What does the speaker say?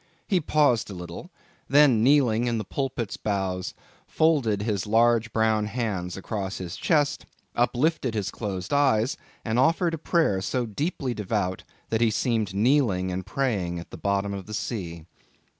He paused a little; then kneeling in the pulpit's bows, folded his large brown hands across his chest, uplifted his closed eyes, and offered a prayer so deeply devout that he seemed kneeling and praying at the bottom of the sea.